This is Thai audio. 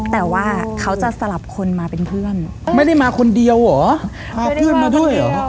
แต่ว่าเขาจะสลับคนมาเป็นเพื่อนไม่ได้มาคนเดียวเหรอเอาเพื่อนมาด้วยเหรอ